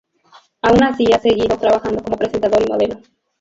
Aun así ha seguido trabajando como presentador y modelo.